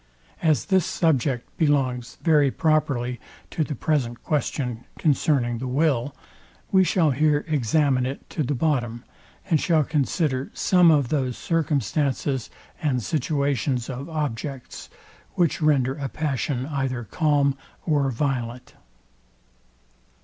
As this subject belongs very properly to the present question concerning the will, we shall here examine it to the bottom, and shall consider some of those circumstances and situations of objects, which render a passion either calm or violent.